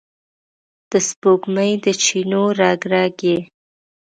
د سپوږمۍ د چېنو رګ، رګ یې،